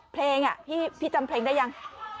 เพลงพี่จำเพลงได้ยัง